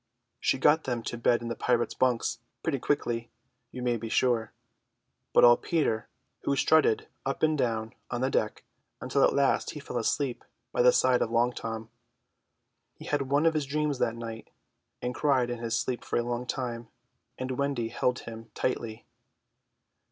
She got them to bed in the pirates' bunks pretty quickly, you may be sure; all but Peter, who strutted up and down on the deck, until at last he fell asleep by the side of Long Tom. He had one of his dreams that night, and cried in his sleep for a long time, and Wendy held him tightly.